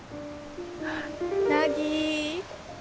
凪